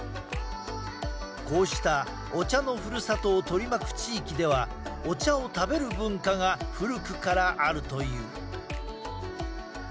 こうしたお茶のふるさとを取り巻く地域ではお茶を食べる文化が古くからあるという。